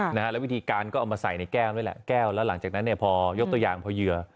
แล้ววิธีการก็เอามาใส่ในแก้วด้วยแหละแก้วแล้วหลังจากนั้นเนี่ยพอยกตัวอย่างพอเหยื่อ